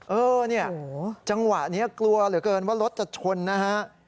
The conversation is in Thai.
เออเนี่ยจังหวะนี้กลัวเหลือเกินว่ารถจะชนนะฮะ